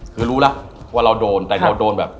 คือรู้แล้วว่าเราโดนแต่เราโดนแบบ